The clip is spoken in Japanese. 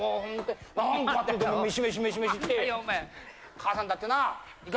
母さんだってないいか？